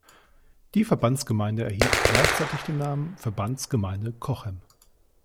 Die Verbandsgemeinde erhielt gleichzeitig den Namen "Verbandsgemeinde Cochem".